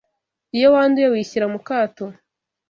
Iyo wanduye wishyira mukato